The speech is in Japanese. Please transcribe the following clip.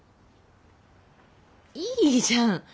いいじゃん。